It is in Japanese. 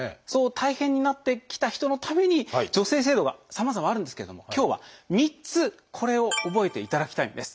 大変になってきた人のために助成制度がさまざまあるんですけれども今日は３つこれを覚えていただきたいんです。